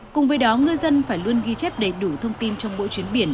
cùng với đó ngư dân phải luôn ghi chép đầy đủ thông tin trong mỗi chuyến biển